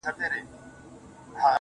o دا سپك هنر نه دى چي څوك يې پــټ كړي.